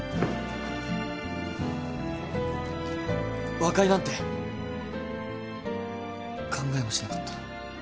和解なんて考えもしなかった。